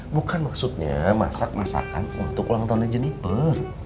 bukan maksudnya masak masakan untuk ulang tahunnya jeniper